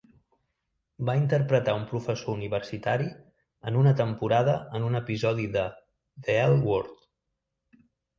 Va interpretar un professor universitari en una temporada en un episodi de "The L Word".